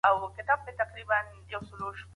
که هلته د ښځو او نارینه وو اختلاط وو.